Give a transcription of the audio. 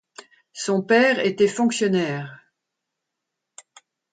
Son père était fonctionnaire.